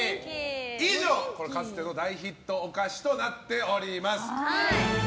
以上、かつての大ヒットお菓子となっております。